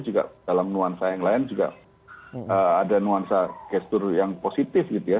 juga dalam nuansa yang lain juga ada nuansa gestur yang positif gitu ya